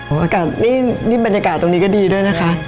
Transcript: อากาศนี่บรรยากาศตรงนี้ก็ดีด้วยนะคะ